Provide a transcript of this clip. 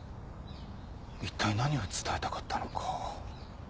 いったい何を伝えたかったのか。